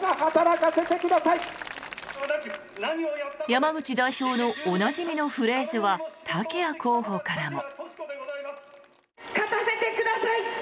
山口代表のおなじみのフレーズは竹谷候補からも。